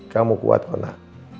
kamu kuat pak nak